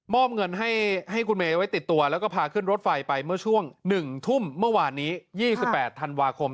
เงินให้คุณเมย์ไว้ติดตัวแล้วก็พาขึ้นรถไฟไปเมื่อช่วง๑ทุ่มเมื่อวานนี้๒๘ธันวาคม